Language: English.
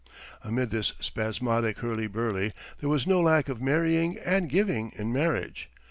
Amid this spasmodic hurly burly there was no lack of marrying and giving in marriage.